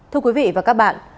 thưa quý vị và các bạn